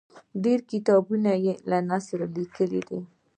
ډېر کتابونه یې په نثر کې لیکلي دي.